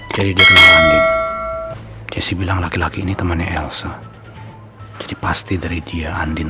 jadi di sini ke si bilang laki laki ini temannya elsa jadi pasti dari dia andin